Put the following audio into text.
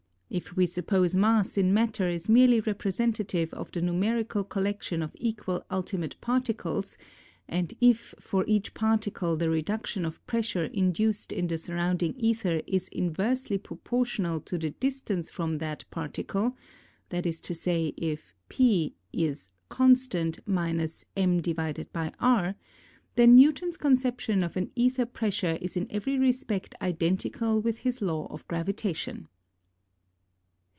If we suppose mass in matter is merely representative of the numerical collec tion of equal ultimate particles, and if for each particle the reduction of pressure induced in the surrounding aether is inversely proportional to the distance from that particle, that is to say, if p = constant— m/r, then Newton's conception of an aether pressure is in every respect identical with his law of gravitation.